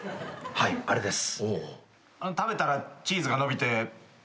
はいあれです。